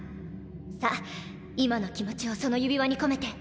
さあ今の気持ちをその指輪に込めて。